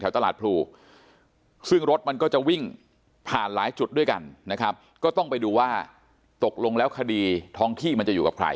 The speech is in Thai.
ตลาดพลูซึ่งรถมันก็จะวิ่งผ่านหลายจุดด้วยกันนะครับก็ต้องไปดูว่าตกลงแล้วคดีท้องที่มันจะอยู่กับใคร